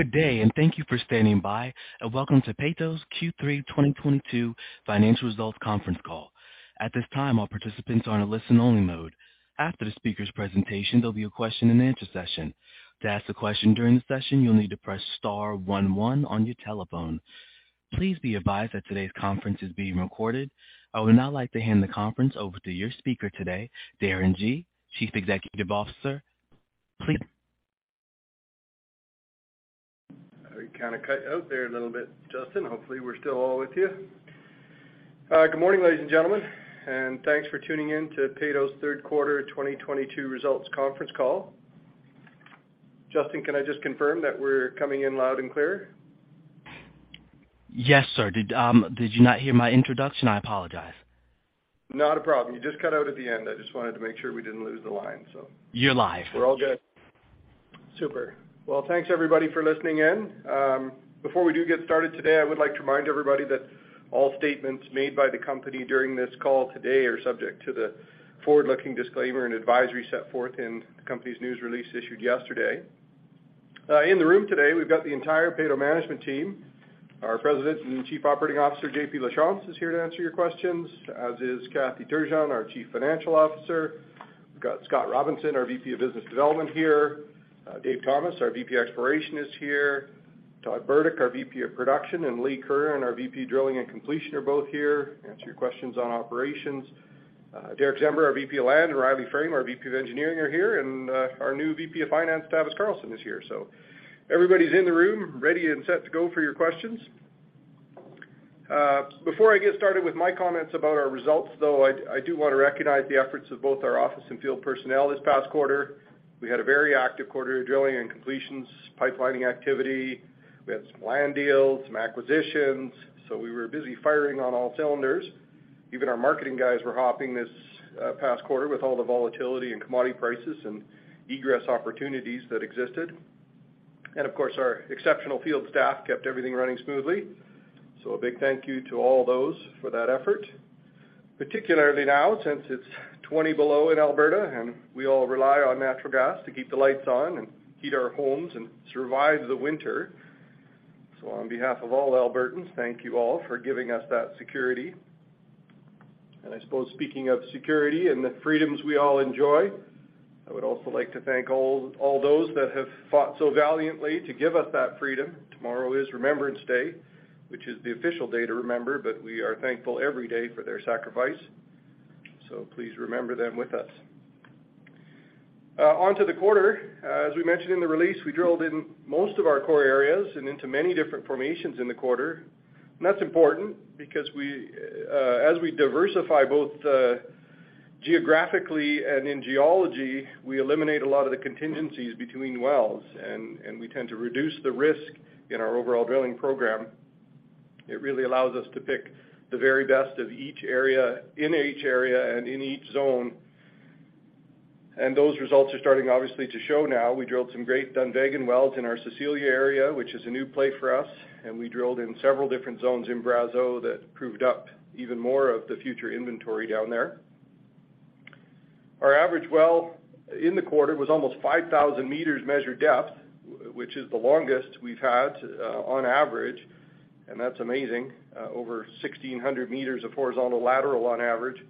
Good day, and thank you for standing by, and welcome to Peyto's Q3 2022 financial results conference call. At this time, all participants are in a listen-only mode. After the speaker's presentation, there'll be a question and answer session. To ask a question during the session, you'll need to press star one one on your telephone. Please be advised that today's conference is being recorded. I would now like to hand the conference over to your speaker today, Darren Gee, Chief Executive Officer. You kinda cut out there a little bit, Justin. Hopefully, we're still all with you. Good morning, ladies and gentlemen, and thanks for tuning in to Peyto's third quarter 2022 results conference call. Justin, can I just confirm that we're coming in loud and clear? Yes, sir. Did you not hear my introduction? I apologize. Not a problem. You just cut out at the end. I just wanted to make sure we didn't lose the line, so. You're live. We're all good. Super. Well, thanks everybody for listening in. Before we do get started today, I would like to remind everybody that all statements made by the company during this call today are subject to the forward-looking disclaimer and advisory set forth in the company's news release issued yesterday. In the room today, we've got the entire Peyto management team. Our President and Chief Operating Officer, JP Lachance, is here to answer your questions, as is Kathy Turgeon, our Chief Financial Officer. We've got Scott Robinson, our VP of Business Development here. David Thomas, our VP Exploration, is here. Todd Burdick, our VP of Production, and Lee Curran, our VP Drilling and Completions, are both here to answer your questions on operations. Derick Czember, our VP of Land, and Riley Frame, our VP of Engineering are here, and our new VP of Finance, Tavis Carlson, is here. Everybody's in the room ready and set to go for your questions. Before I get started with my comments about our results, though, I do wanna recognize the efforts of both our office and field personnel this past quarter. We had a very active quarter drilling and completions pipelining activity. We had some land deals, some acquisitions, so we were busy firing on all cylinders. Even our marketing guys were hopping this past quarter with all the volatility in commodity prices and egress opportunities that existed. Of course, our exceptional field staff kept everything running smoothly. A big thank you to all those for that effort, particularly now since it's 20 below in Alberta, and we all rely on natural gas to keep the lights on and heat our homes and survive the winter. On behalf of all Albertans, thank you all for giving us that security. I suppose speaking of security and the freedoms we all enjoy, I would also like to thank all those that have fought so valiantly to give us that freedom. Tomorrow is Remembrance Day, which is the official day to remember, but we are thankful every day for their sacrifice, so please remember them with us. On to the quarter. As we mentioned in the release, we drilled in most of our core areas and into many different formations in the quarter. That's important because we as we diversify both geographically and in geology, we eliminate a lot of the contingencies between wells and we tend to reduce the risk in our overall drilling program. It really allows us to pick the very best of each area in each area and in each zone, and those results are starting obviously to show now. We drilled some great Dunvegan wells in our Cecilia area, which is a new play for us, and we drilled in several different zones in Brazeau that proved up even more of the future inventory down there. Our average well in the quarter was almost 5,000 meters measured depth, which is the longest we've had on average, and that's amazing. Over 1,600 meters of horizontal lateral on average.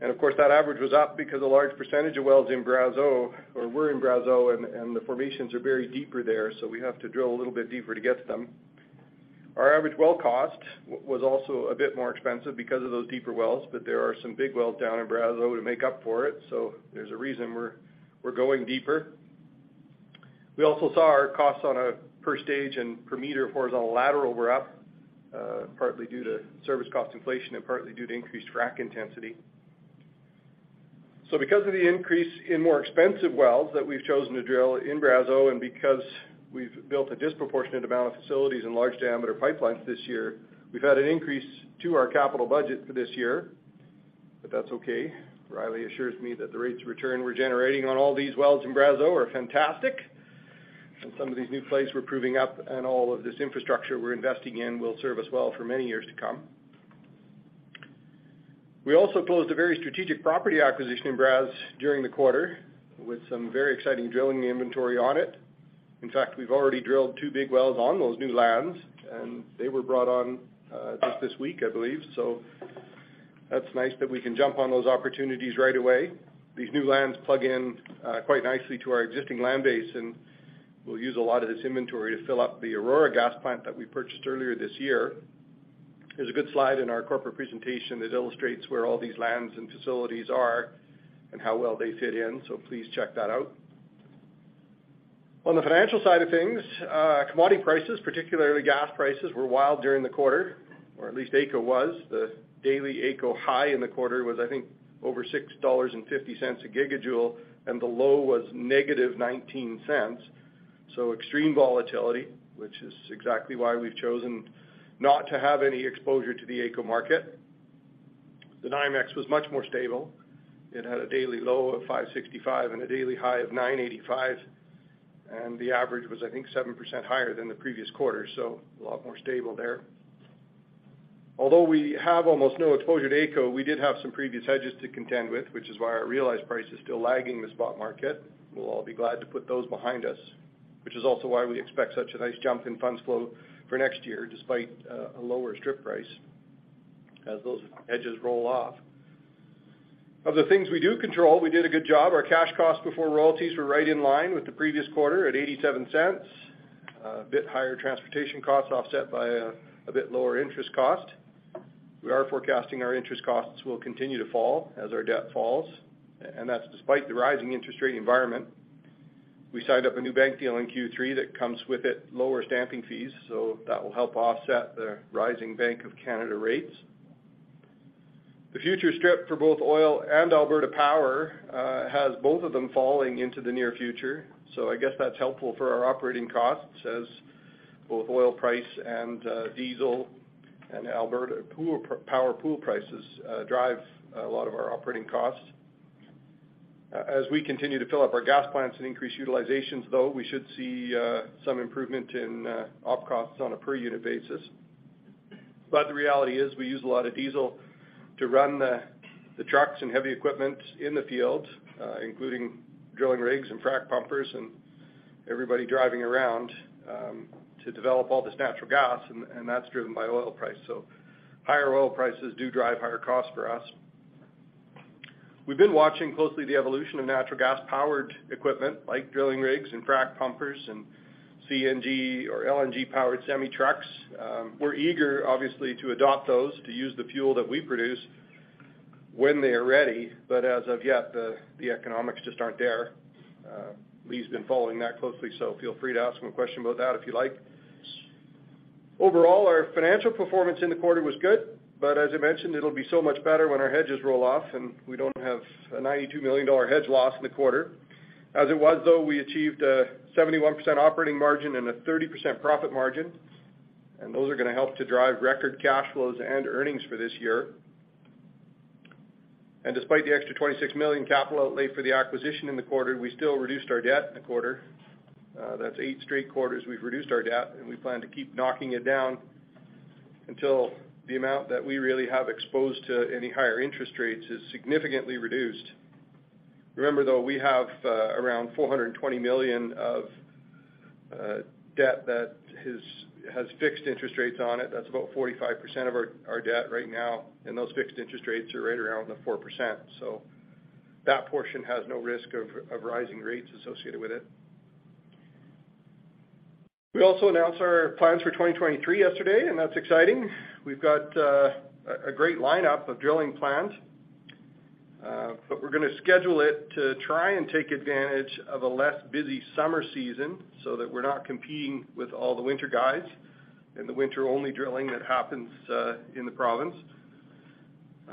Of course, that average was up because a large percentage of wells in Brazeau were in Brazeau and the formations are very deeper there, so we have to drill a little bit deeper to get to them. Our average well cost was also a bit more expensive because of those deeper wells, but there are some big wells down in Brazeau to make up for it, so there's a reason we're going deeper. We also saw our costs on a per stage and per meter of horizontal lateral were up, partly due to service cost inflation and partly due to increased frac intensity. Because of the increase in more expensive wells that we've chosen to drill in Brazeau and because we've built a disproportionate amount of facilities and large-diameter pipelines this year, we've had an increase to our capital budget for this year, but that's okay. Riley assures me that the rates of return we're generating on all these wells in Brazeau are fantastic, and some of these new plays we're proving up and all of this infrastructure we're investing in will serve us well for many years to come. We also closed a very strategic property acquisition in Brazeau during the quarter with some very exciting drilling inventory on it. In fact, we've already drilled two big wells on those new lands, and they were brought on, just this week, I believe. That's nice that we can jump on those opportunities right away. These new lands plug in quite nicely to our existing land base, and we'll use a lot of this inventory to fill up the Aurora gas plant that we purchased earlier this year. There's a good slide in our corporate presentation that illustrates where all these lands and facilities are and how well they fit in, so please check that out. On the financial side of things, commodity prices, particularly gas prices, were wild during the quarter, or at least AECO was. The daily AECO high in the quarter was, I think, over 6.50 dollars a gigajoule, and the low was -0.19, so extreme volatility, which is exactly why we've chosen not to have any exposure to the AECO market. The NYMEX was much more stable. It had a daily low of 5.65 and a daily high of 9.85, and the average was, I think, 7% higher than the previous quarter, so a lot more stable there. Although we have almost no exposure to AECO, we did have some previous hedges to contend with, which is why our realized price is still lagging the spot market. We'll all be glad to put those behind us, which is also why we expect such a nice jump in funds flow for next year, despite a lower strip price as those hedges roll off. Of the things we do control, we did a good job. Our cash costs before royalties were right in line with the previous quarter at 0.87. A bit higher transportation costs offset by a bit lower interest cost. We are forecasting our interest costs will continue to fall as our debt falls, and that's despite the rising interest rate environment. We signed up a new bank deal in Q3 that comes with it lower stamping fees, so that will help offset the rising Bank of Canada rates. The future strip for both oil and Alberta power has both of them falling into the near future, so I guess that's helpful for our operating costs as both oil price and diesel and Alberta power pool prices drive a lot of our operating costs. As we continue to fill up our gas plants and increase utilizations, though, we should see some improvement in op costs on a per unit basis. The reality is we use a lot of diesel to run the trucks and heavy equipment in the fields, including drilling rigs and frac pumpers and everybody driving around, to develop all this natural gas, and that's driven by oil price. Higher oil prices do drive higher costs for us. We've been watching closely the evolution of natural gas-powered equipment like drilling rigs and frac pumpers and CNG or LNG-powered semi-trucks. We're eager obviously to adopt those to use the fuel that we produce when they are ready, but as of yet, the economics just aren't there. Lee's been following that closely, so feel free to ask him a question about that if you like. Overall, our financial performance in the quarter was good, but as I mentioned, it'll be so much better when our hedges roll off and we don't have a 92 million dollar hedge loss in the quarter. As it was, though, we achieved a 71% operating margin and a 30% profit margin, and those are gonna help to drive record cash flows and earnings for this year. Despite the extra 26 million capital outlay for the acquisition in the quarter, we still reduced our debt in the quarter. That's eight straight quarters we've reduced our debt, and we plan to keep knocking it down until the amount that we really have exposed to any higher interest rates is significantly reduced. Remember though, we have around 420 million of debt that has fixed interest rates on it. That's about 45% of our debt right now, and those fixed interest rates are right around the 4%. That portion has no risk of rising rates associated with it. We also announced our plans for 2023 yesterday, and that's exciting. We've got a great lineup of drilling plans, but we're gonna schedule it to try and take advantage of a less busy summer season so that we're not competing with all the winter guys and the winter-only drilling that happens in the province.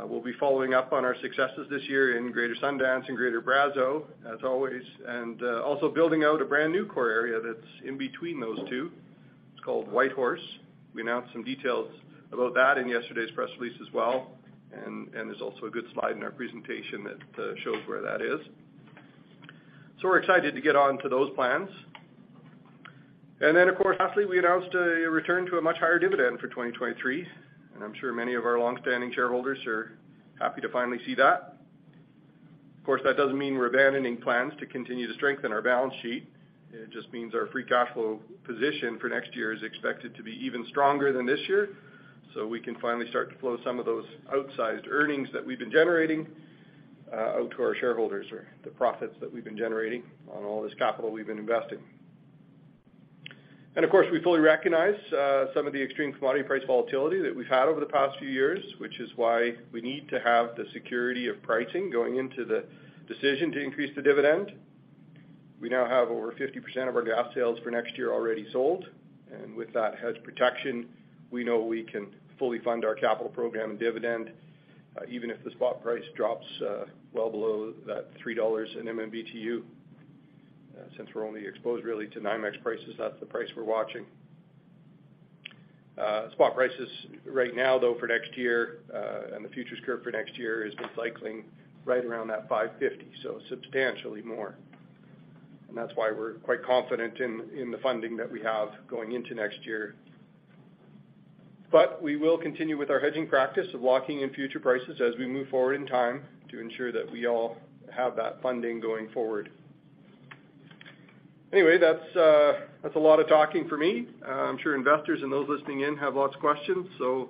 We'll be following up on our successes this year in Greater Sundance and Greater Brazeau, as always, and also building out a brand-new core area that's in between those two. It's called Whitehorse. We announced some details about that in yesterday's press release as well, and there's also a good slide in our presentation that shows where that is. We're excited to get on to those plans. Of course, lastly, we announced a return to a much higher dividend for 2023, and I'm sure many of our longstanding shareholders are happy to finally see that. Of course, that doesn't mean we're abandoning plans to continue to strengthen our balance sheet. It just means our free cash flow position for next year is expected to be even stronger than this year, so we can finally start to flow some of those outsized earnings that we've been generating out to our shareholders or the profits that we've been generating on all this capital we've been investing. Of course, we fully recognize some of the extreme commodity price volatility that we've had over the past few years, which is why we need to have the security of pricing going into the decision to increase the dividend. We now have over 50% of our gas sales for next year already sold, and with that hedge protection, we know we can fully fund our capital program and dividend, even if the spot price drops well below that $3/MMBtu. Since we're only exposed really to NYMEX prices, that's the price we're watching. Spot prices right now though for next year, and the futures curve for next year has been cycling right around that 5.50, so substantially more. That's why we're quite confident in the funding that we have going into next year. We will continue with our hedging practice of locking in future prices as we move forward in time to ensure that we all have that funding going forward. Anyway, that's a lot of talking for me. I'm sure investors and those listening in have lots of questions, so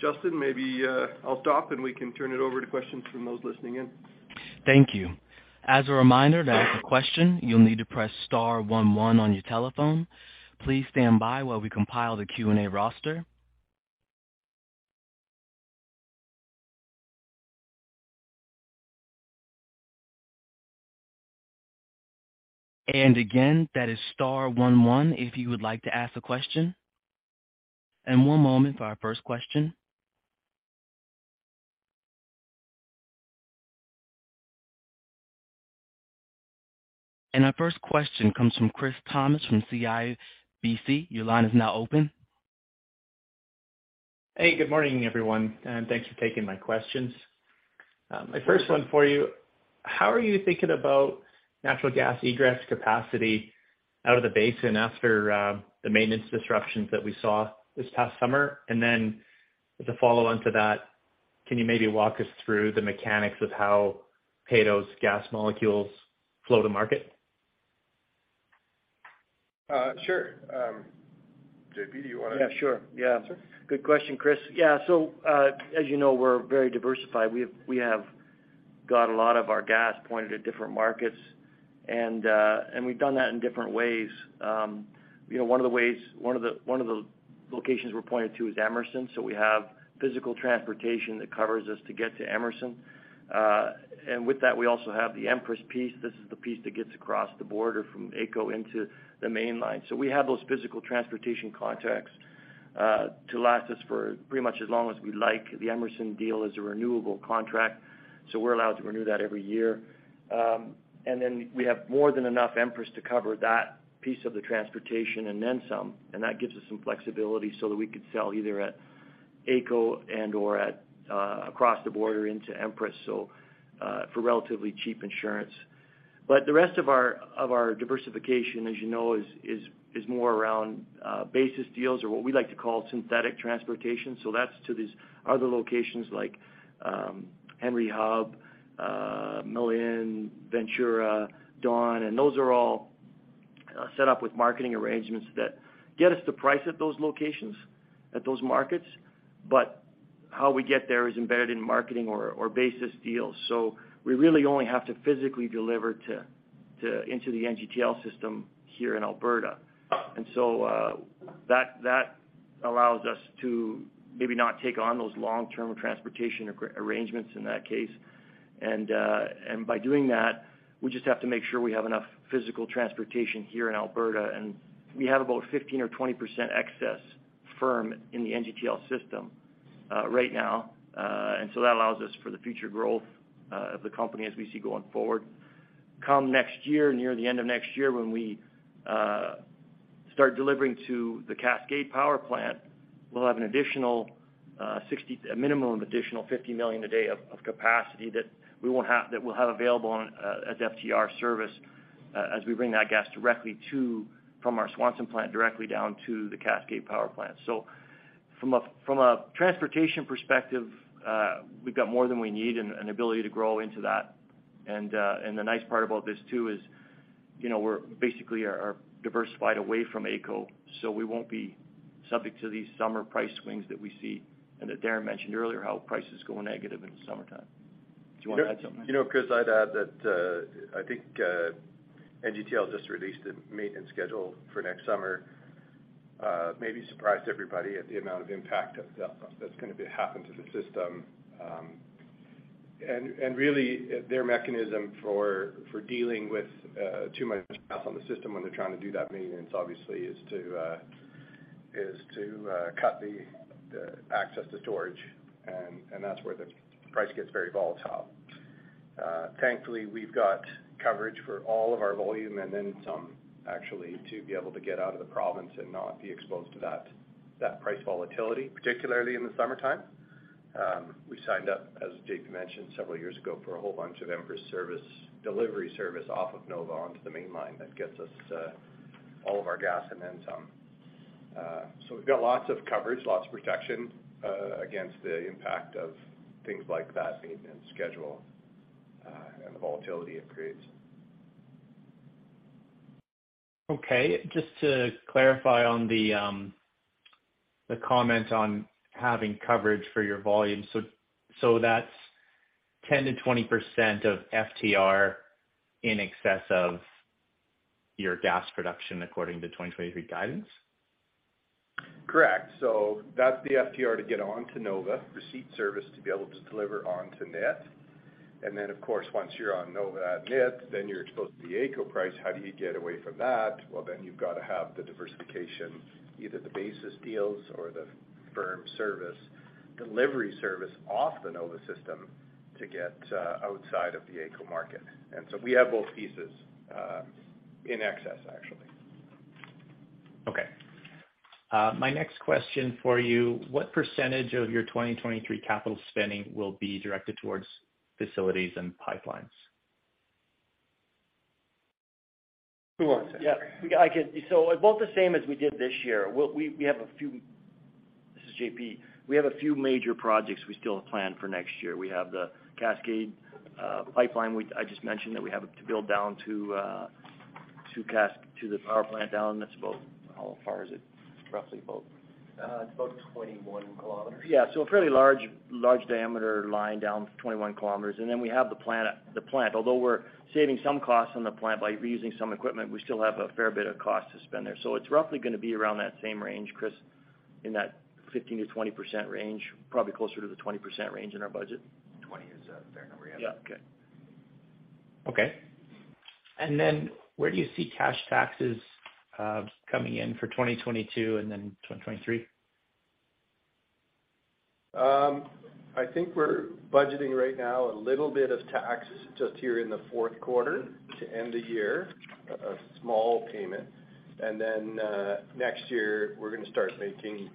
Justin, maybe I'll stop, and we can turn it over to questions from those listening in. Thank you. As a reminder, to ask a question, you'll need to press star one one on your telephone. Please stand by while we compile the Q&A roster. Again, that is star one one if you would like to ask a question. One moment for our first question. Our first question comes from Chris Thompson from CIBC. Your line is now open. Hey, good morning, everyone, and thanks for taking my questions. My first one for you: how are you thinking about natural gas egress capacity out of the basin after the maintenance disruptions that we saw this past summer? As a follow-on to that, can you maybe walk us through the mechanics of how Peyto's gas molecules flow to market? Sure. JP, do you wanna Yeah, sure. Yeah. Sure. Good question, Chris. Yeah. As you know, we're very diversified. We have got a lot of our gas pointed at different markets and we've done that in different ways. You know, one of the locations we're pointed to is Emerson. We have physical transportation that covers us to get to Emerson. And with that, we also have the Empress piece. This is the piece that gets across the border from AECO into the mainline. We have those physical transportation contracts to last us for pretty much as long as we like. The Emerson deal is a renewable contract, so we're allowed to renew that every year. We have more than enough Empress to cover that piece of the transportation and then some, and that gives us some flexibility so that we could sell either at AECO and/or at across the border into Empress, for relatively cheap insurance. The rest of our diversification, as you know, is more around basis deals or what we like to call synthetic transportation. That's to these other locations like Henry Hub, Malin, Ventura, Dawn, and those are all set up with marketing arrangements that get us the price at those locations, at those markets. How we get there is embedded in marketing or basis deals. We really only have to physically deliver into the NGTL system here in Alberta. That allows us to maybe not take on those long-term transportation arrangements in that case. By doing that, we just have to make sure we have enough physical transportation here in Alberta, and we have about 15% or 20% excess firm in the NGTL system right now. That allows us for the future growth of the company as we see going forward. Come next year, near the end of next year, when we start delivering to the Cascade Power Plant, we'll have an additional, a minimum of additional 50 million a day of capacity that we'll have available on as FTR service, as we bring that gas directly from our Swanson plant directly down to the Cascade Power Plant. From a transportation perspective, we've got more than we need and an ability to grow into that. The nice part about this too is, you know, we're basically diversified away from AECO, so we won't be subject to these summer price swings that we see, and that Darren mentioned earlier how prices go negative in the summertime. Do you wanna add something? You know, Chris, I'd add that I think NGTL just released a maintenance schedule for next summer. Maybe surprised everybody at the amount of impact that that's gonna be happen to the system. Really their mechanism for dealing with too much gas on the system when they're trying to do that maintenance obviously is to cut the access to storage and that's where the price gets very volatile. Thankfully, we've got coverage for all of our volume and then some actually to be able to get out of the province and not be exposed to that price volatility, particularly in the summertime. We signed up, as JP mentioned, several years ago for a whole bunch of Empress service, delivery service off of NOVA onto the mainline that gets us all of our gas and then some. We've got lots of coverage, lots of protection, against the impact of things like that maintenance schedule, and the volatility it creates. Okay. Just to clarify on the comment on having coverage for your volume. That's 10%-20% of FTR in excess of your gas production according to 2023 guidance? Correct. That's the FTR to get on to NOVA, receipt service to be able to deliver onto NGTL. Of course, once you're on NOVA and NGTL, then you're exposed to the AECO price. How do you get away from that? Well, then you've got to have the diversification, either the basis deals or the firm service, delivery service off the NOVA system to get outside of the AECO market. We have both pieces in excess, actually. Okay. My next question for you: what percentage of your 2023 capital spending will be directed toward facilities and pipelines? Who wants this? Yeah, I can. Both the same as we did this year. We have a few... This is JP. We have a few major projects we still plan for next year. We have the Cascade pipeline, which I just mentioned, that we have to build down to the power plant down. That's about. How far is it? Roughly about It's about 21 km. Yeah. A fairly large diameter line down 21 km. We have the plant. Although we're saving some costs on the plant by reusing some equipment, we still have a fair bit of cost to spend there. It's roughly gonna be around that same range, Chris, in that 15%-20% range, probably closer to the 20% range in our budget. 20 is a fair number, yeah. Yeah. Okay. Where do you see cash taxes coming in for 2022 and then 2023? I think we're budgeting right now a little bit of tax just here in the fourth quarter to end the year, a small payment. Then, next year, we're gonna start making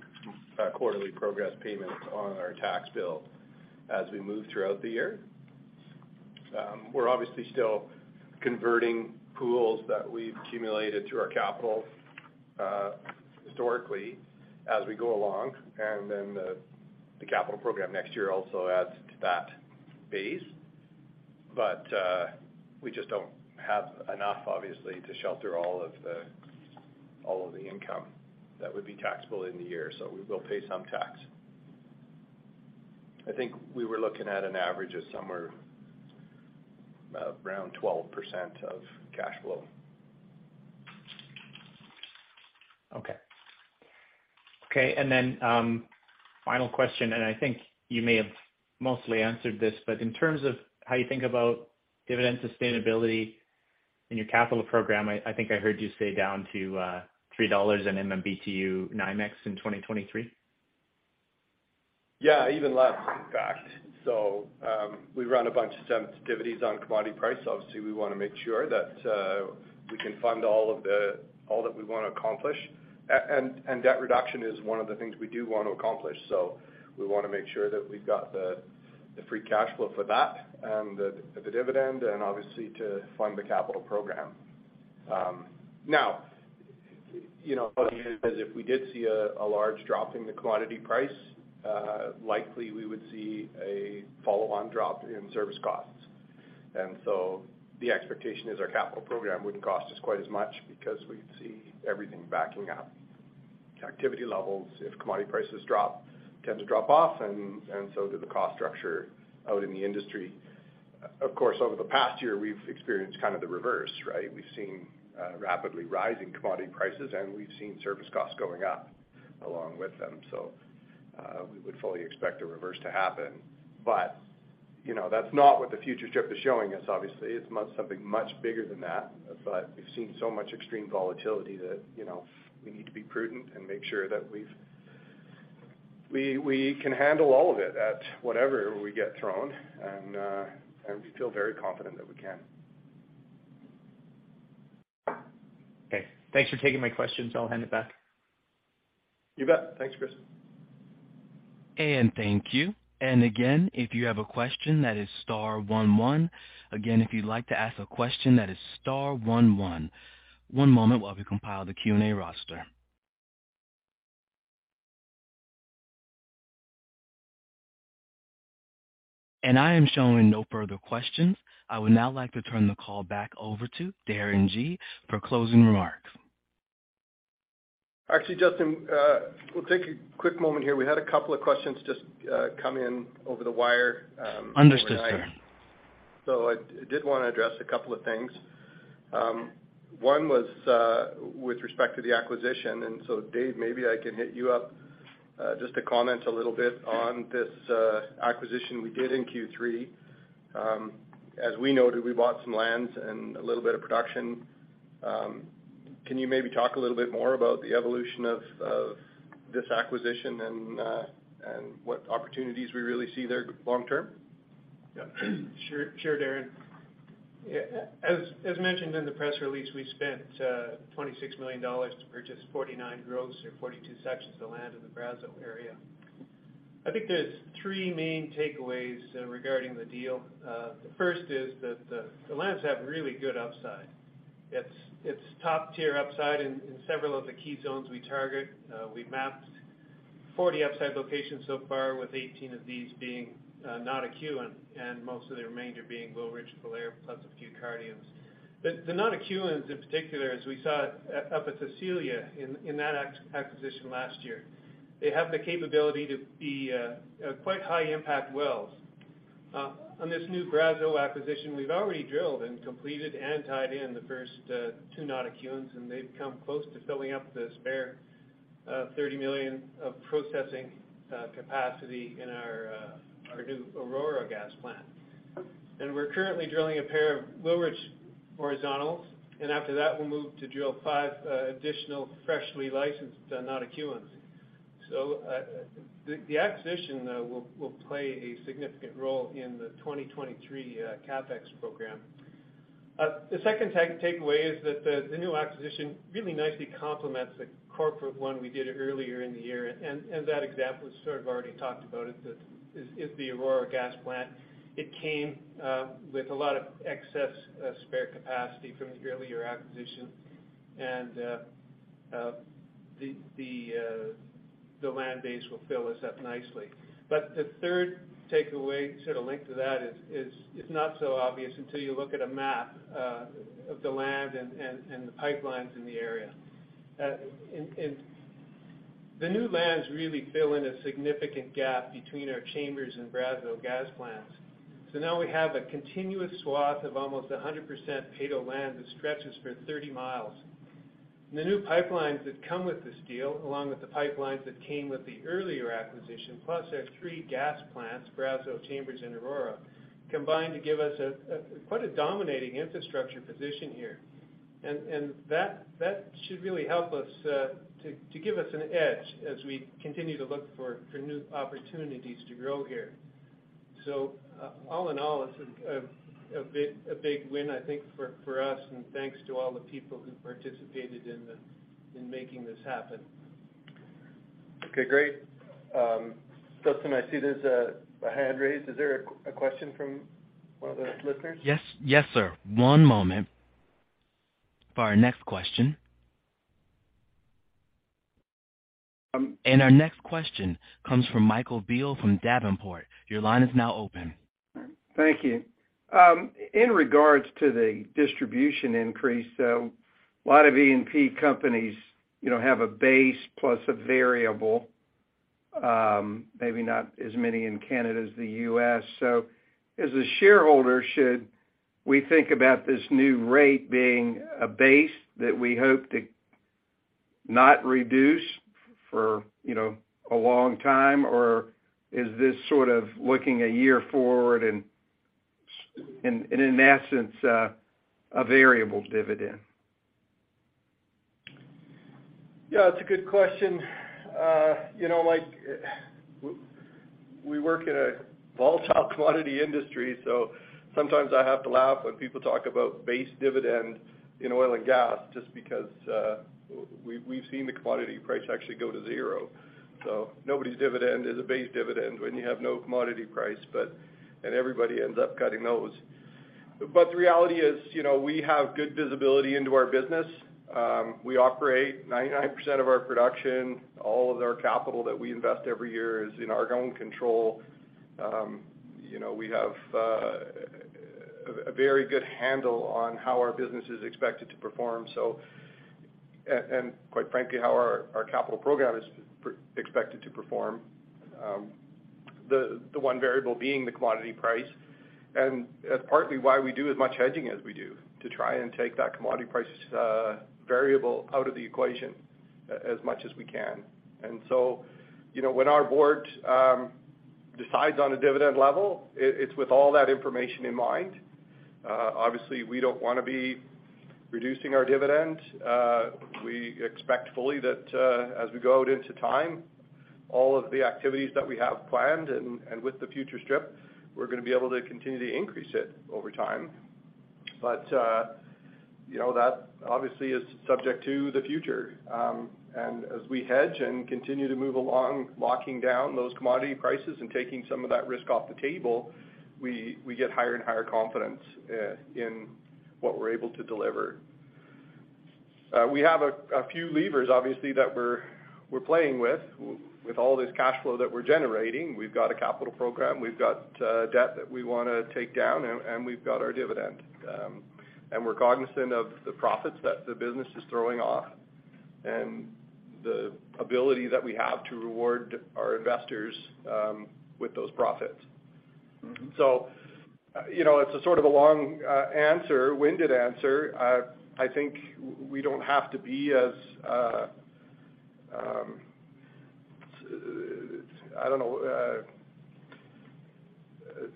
quarterly progress payments on our tax bill as we move throughout the year. We're obviously still converting pools that we've accumulated to our capital, historically as we go along. Then the capital program next year also adds to that base. We just don't have enough, obviously, to shelter all of the income that would be taxable in the year. We will pay some tax. I think we were looking at an average of somewhere around 12% of cash flow. Okay. Final question. I think you may have mostly answered this, in terms of how you think about dividend sustainability in your capital program. I think I heard you say down to $3/MMBtu NYMEX in 2023. Yeah, even less, in fact. We run a bunch of sensitivities on commodity price. Obviously, we wanna make sure that we can fund all that we wanna accomplish. Debt reduction is one of the things we do want to accomplish. We wanna make sure that we've got the free cash flow for that and the dividend and obviously to fund the capital program. Now, you know, if we did see a large drop in the commodity price, likely we would see a follow-on drop in service costs. The expectation is our capital program wouldn't cost us quite as much because we'd see everything backing up. Activity levels, if commodity prices drop, tend to drop off, so do the cost structure out in the industry. Of course, over the past year, we've experienced kind of the reverse, right? We've seen rapidly rising commodity prices, and we've seen service costs going up along with them. We would fully expect the reverse to happen. You know, that's not what the future strip is showing us. Obviously, it's much, something much bigger than that. We've seen so much extreme volatility that, you know, we need to be prudent and make sure that we can handle all of it at whatever we get thrown. We feel very confident that we can. Okay. Thanks for taking my questions. I'll hand it back. You bet. Thanks, Chris. Thank you. Again, if you have a question, that is star one one. Again, if you'd like to ask a question, that is star one one. One moment while we compile the Q&A roster. I am showing no further questions. I would now like to turn the call back over to Darren Gee for closing remarks. Actually, Justin, we'll take a quick moment here. We had a couple of questions just come in over the wire, Understood, sir. I did want to address a couple of things. One was, with respect to the acquisition. Dave, maybe I can hit you up, just to comment a little bit on this acquisition we did in Q3. As we noted, we bought some lands and a little bit of production. Can you maybe talk a little bit more about the evolution of this acquisition and what opportunities we really see there long term? Yeah. Sure, Darren. As mentioned in the press release, we spent 26 million dollars to purchase 49 gross or 42 sections of land in the Brazeau area. I think there's three main takeaways regarding the deal. The first is that the lands have really good upside. It's top-tier upside in several of the key zones we target. We mapped 40 upside locations so far, with 18 of these being Notikewin, and most of the remainder being Wilrich, Falher, plus a few Cardium. The Notikewins in particular, as we saw up at Cecilia in that acquisition last year, they have the capability to be quite high-impact wells. On this new Brazeau acquisition, we've already drilled and completed and tied in the first two Notikewins, and they've come close to filling up the spare 30 million of processing capacity in our new Aurora gas plant. We're currently drilling a pair of low-risk horizontals. After that, we'll move to drill five additional freshly licensed Notikewins. The acquisition will play a significant role in the 2023 CapEx program. The second takeaway is that the new acquisition really nicely complements the corporate one we did earlier in the year. That example is sort of already talked about, it's the Aurora gas plant. It came with a lot of excess spare capacity from the earlier acquisition, and the land base will fill us up nicely. The third takeaway, sort of linked to that is it's not so obvious until you look at a map of the land and the pipelines in the area. The new lands really fill in a significant gap between our Chambers and Brazeau gas plants. Now we have a continuous swath of almost 100% paid-up land that stretches for 30 miles. The new pipelines that come with this deal, along with the pipelines that came with the earlier acquisition, plus our three gas plants, Brazeau, Chambers, and Aurora, combine to give us quite a dominating infrastructure position here. That should really help us to give us an edge as we continue to look for new opportunities to grow here. All in all, it's a big win, I think, for us, and thanks to all the people who participated in making this happen. Okay, great. Justin, I see there's a hand raised. Is there a Q&A question from one of the listeners? Yes. Yes, sir. One moment for our next question. Um- Our next question comes from Michael Beall from Davenport & Company. Your line is now open. Thank you. In regards to the distribution increase, a lot of E&P companies, you know, have a base plus a variable, maybe not as many in Canada as the U.S. As a shareholder, should we think about this new rate being a base that we hope to not reduce for, you know, a long time? Or is this sort of looking a year forward and in that sense a variable dividend? Yeah, it's a good question. You know, Mike, we work in a volatile commodity industry, so sometimes I have to laugh when people talk about base dividend in oil and gas just because, we've seen the commodity price actually go to zero. Nobody's dividend is a base dividend when you have no commodity price, but everybody ends up cutting those. The reality is, you know, we have good visibility into our business. We operate 99% of our production. All of our capital that we invest every year is in our own control. You know, we have a very good handle on how our business is expected to perform, so quite frankly, how our capital program is expected to perform. The one variable being the commodity price, and that's partly why we do as much hedging as we do, to try and take that commodity price variable out of the equation as much as we can. You know, when our board decides on a dividend level, it's with all that information in mind. Obviously, we don't wanna be reducing our dividend. We expect fully that as we go out into time, all of the activities that we have planned and with the future strip, we're gonna be able to continue to increase it over time. You know, that obviously is subject to the future. As we hedge and continue to move along, locking down those commodity prices and taking some of that risk off the table, we get higher and higher confidence in what we're able to deliver. We have a few levers, obviously, that we're playing with. With all this cash flow that we're generating, we've got a capital program, we've got debt that we wanna take down, and we've got our dividend. We're cognizant of the profits that the business is throwing off and the ability that we have to reward our investors with those profits. You know, it's a sort of long-winded answer. I think we don't have to be as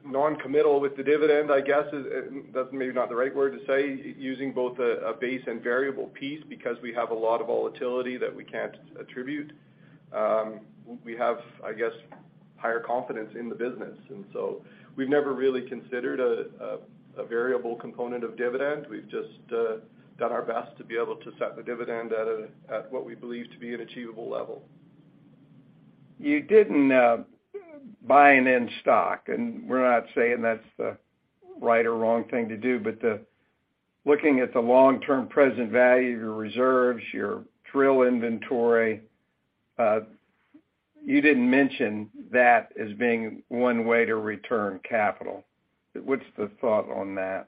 non-committal with the dividend, I guess. That's maybe not the right word to say, using both a base and variable piece because we have a lot of volatility that we can't attribute. We have, I guess, higher confidence in the business. We've never really considered a variable component of dividend. We've just done our best to be able to set the dividend at what we believe to be an achievable level. You didn't buy an in-stock, and we're not saying that's the right or wrong thing to do. Looking at the long-term present value of your reserves, your drill inventory, you didn't mention that as being one way to return capital. What's the thought on that?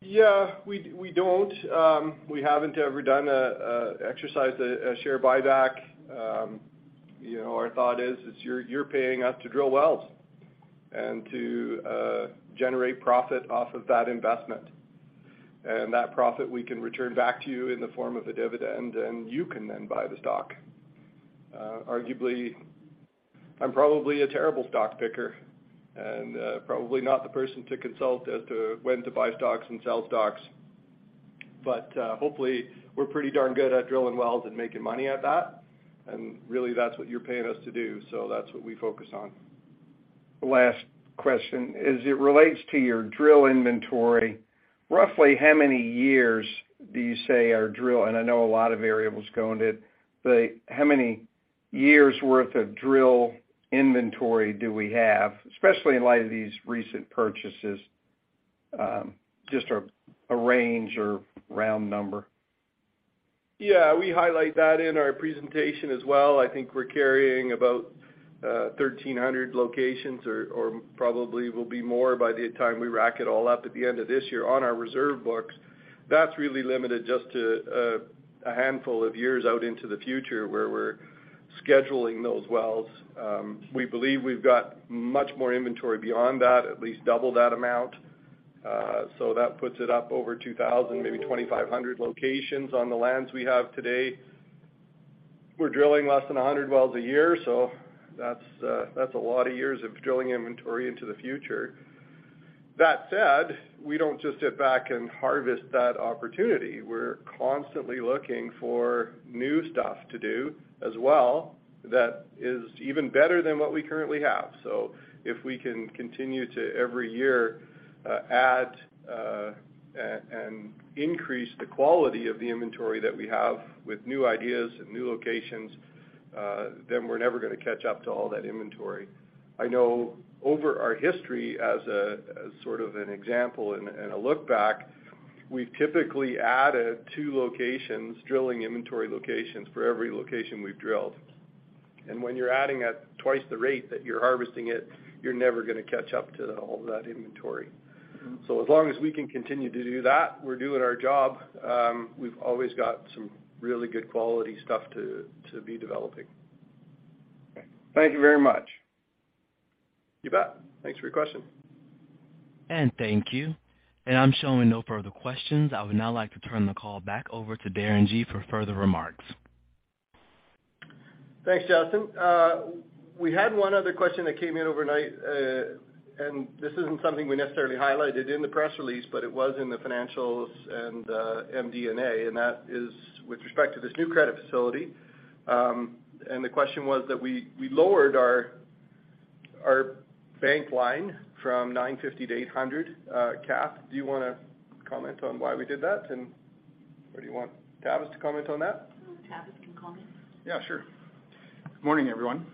Yeah. We don't. We haven't ever done a share buyback. You know, our thought is you're paying us to drill wells and to generate profit off of that investment. That profit we can return back to you in the form of a dividend, and you can then buy the stock. Arguably, I'm probably a terrible stock picker and probably not the person to consult as to when to buy stocks and sell stocks. Hopefully, we're pretty darn good at drilling wells and making money at that, and really that's what you're paying us to do. That's what we focus on. Last question. As it relates to your drill inventory, I know a lot of variables go into it, but roughly how many years' worth of drill inventory do we have, especially in light of these recent purchases? Just a range or round number. Yeah. We highlight that in our presentation as well. I think we're carrying about 1,300 locations or probably will be more by the time we rack it all up at the end of this year on our reserve books. That's really limited just to a handful of years out into the future where we're scheduling those wells. We believe we've got much more inventory beyond that, at least double that amount. That puts it up over 2,000, maybe 2,500 locations on the lands we have today. We're drilling less than 100 wells a year, so that's a lot of years of drilling inventory into the future. That said, we don't just sit back and harvest that opportunity. We're constantly looking for new stuff to do as well that is even better than what we currently have. If we can continue to every year add and increase the quality of the inventory that we have with new ideas and new locations, then we're never gonna catch up to all that inventory. I know over our history as sort of an example and a look back, we've typically added two locations, drilling inventory locations for every location we've drilled. When you're adding at twice the rate that you're harvesting it, you're never gonna catch up to all of that inventory. As long as we can continue to do that, we're doing our job. We've always got some really good quality stuff to be developing. Thank you very much. You bet. Thanks for your question. Thank you. I'm showing no further questions. I would now like to turn the call back over to Darren Gee for further remarks. Thanks, Justin. We had one other question that came in overnight. This isn't something we necessarily highlighted in the press release, but it was in the financials and the MD&A, and that is with respect to this new credit facility. The question was that we lowered our bank line from 950 million-800 million. Kathy, do you wanna comment on why we did that and or do you want Tavis to comment on that? Tavis can comment. Yeah, sure. Good morning, everyone.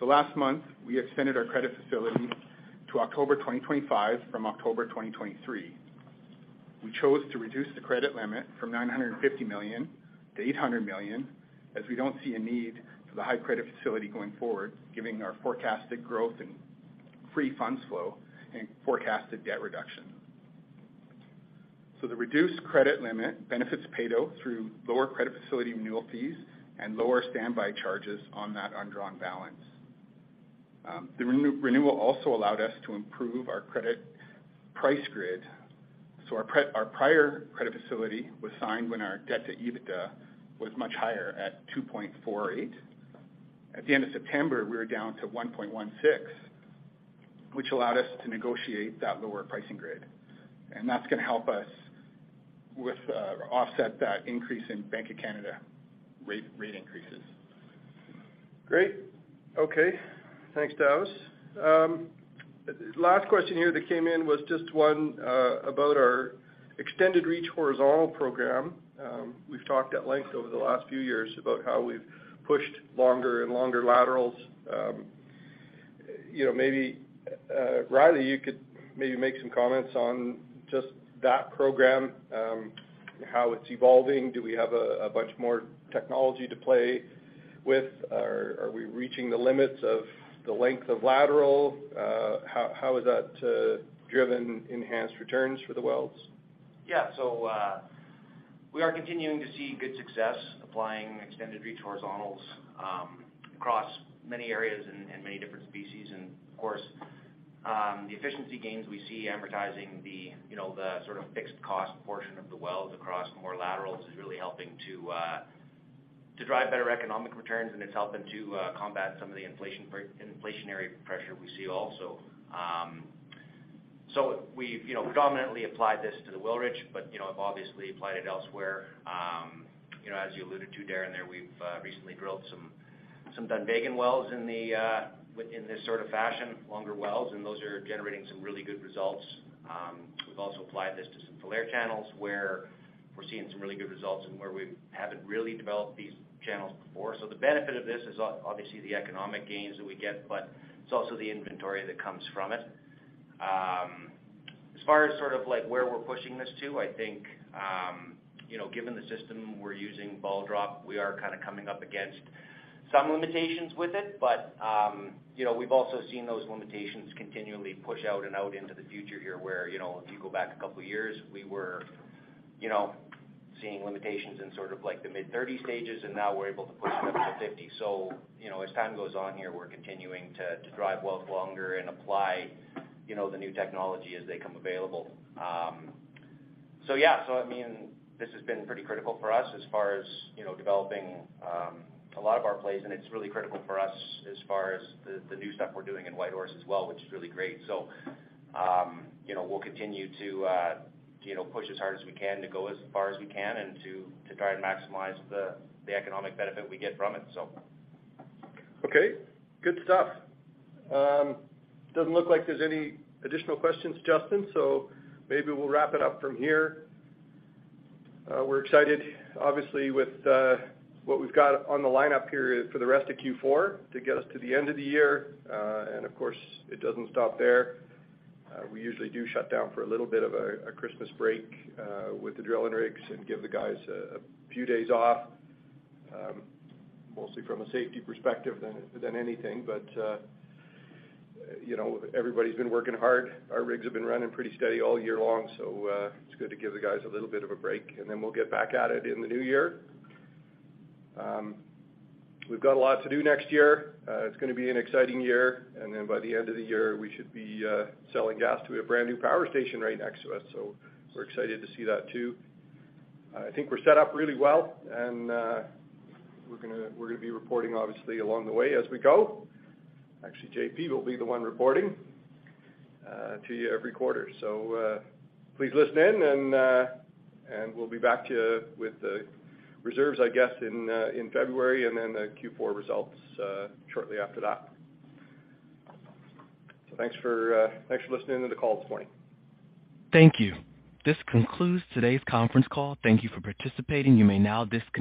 Last month, we extended our credit facility to October 2025 from October 2023. We chose to reduce the credit limit from 950 million to 800 million as we don't see a need for the high credit facility going forward, giving our forecasted growth and free funds flow and forecasted debt reduction. The reduced credit limit benefits Peyto through lower credit facility renewal fees and lower standby charges on that undrawn balance. The renewal also allowed us to improve our credit pricing grid. Our prior credit facility was signed when our debt to EBITDA was much higher at 2.48x. At the end of September, we were down to 1.16x, which allowed us to negotiate that lower pricing grid. That's gonna help us offset that increase in Bank of Canada rate increases. Great. Okay. Thanks, Tavis. Last question here that came in was just one about our extended-reach horizontal program. We've talked at length over the last few years about how we've pushed longer and longer laterals. You know, maybe Riley, you could maybe make some comments on just that program, how it's evolving. Do we have a bunch more technology to play with? Are we reaching the limits of the length of lateral? How has that driven enhanced returns for the wells? Yeah. We are continuing to see good success applying extended-reach horizontals across many areas and many different species. Of course, the efficiency gains we see amortizing the, you know, the sort of fixed-cost portion of the wells across more laterals is really helping to drive better economic returns, and it's helping to combat some of the inflationary pressure we see also. We've, you know, predominantly applied this to the Wilrich, but, you know, have obviously applied it elsewhere. You know, as you alluded to, Darren, there we've recently drilled some Dunvegan wells in the in this sort of fashion, longer wells, and those are generating some really good results. We've also applied this to some Falher channels, where we're seeing some really good results and where we haven't really developed these channels before. The benefit of this is obviously the economic gains that we get, but it's also the inventory that comes from it. As far as sort of like where we're pushing this to, I think, you know, given the system we're using, ball drop, we are kinda coming up against some limitations with it. You know, we've also seen those limitations continually push out and out into the future here, where, you know, if you go back a couple of years, we were, you know, seeing limitations in sort of like the mid-30s stages, and now we're able to push them to 50. You know, as time goes on here, we're continuing to drive wells longer and apply, you know, the new technology as they come available. I mean, this has been pretty critical for us as far as, you know, developing a lot of our plays, and it's really critical for us as far as the new stuff we're doing in Whitehorse as well, which is really great. You know, we'll continue to, you know, push as hard as we can to go as far as we can and to try and maximize the economic benefit we get from it. Okay. Good stuff. Doesn't look like there's any additional questions, Justin, so maybe we'll wrap it up from here. We're excited obviously with what we've got on the lineup here for the rest of Q4 to get us to the end of the year. Of course, it doesn't stop there. We usually do shut down for a little bit of a Christmas break with the drilling rigs and give the guys a few days off, mostly from a safety perspective than anything. You know, everybody's been working hard. Our rigs have been running pretty steady all year long. It's good to give the guys a little bit of a break, and then we'll get back at it in the new year. We've got a lot to do next year. It's gonna be an exciting year. By the end of the year, we should be selling gas to a brand new power station right next to us. We're excited to see that too. I think we're set up really well and we're gonna be reporting obviously along the way as we go. Actually, JP will be the one reporting to you every quarter. Please listen in and we'll be back to you with the reserves, I guess in February and then the Q4 results shortly after that. Thanks for listening to the call this morning. Thank you. This concludes today's conference call. Thank you for participating. You may now disconnect.